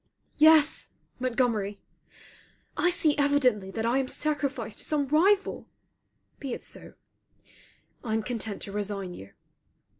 Yes, Montgomery! I see evidently that I am sacrificed to some rival. Be it so. I am content to resign you.